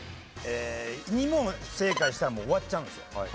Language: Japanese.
２問不正解したらもう終わっちゃうんですよ。